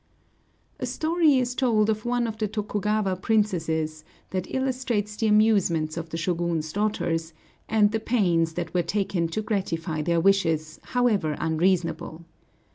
A story is told of one of the Tokugawa princesses that illustrates the amusements of the Shōgun's daughters, and the pains that were taken to gratify their wishes, however unreasonable.